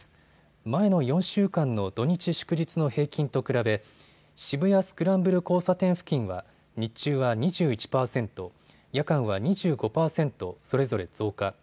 前の４週間の土日祝日の平均と比べ、渋谷スクランブル交差点付近は日中は２１％、夜間は２５％、それぞれ増加。